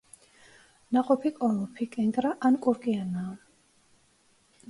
ნაყოფი კოლოფი, კენკრა ან კურკიანაა.